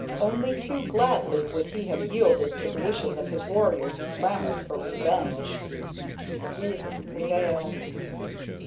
Only too gladly would he have yielded to the wishes of his warriors who clamored for revenge. Reason prevailed.